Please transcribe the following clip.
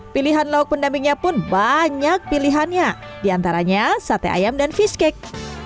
pilihan lauk pendampingnya pun banyak pilihannya diantaranya sate ayam dan fishcake